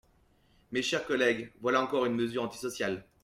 Mes chers collègues, voilà encore une mesure antisociale.